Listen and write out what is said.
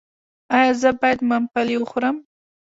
ایا زه باید ممپلی وخورم؟